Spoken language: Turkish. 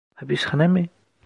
Hapishane mi?